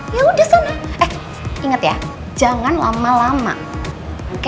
ya udah sana eh inget ya jangan lama lama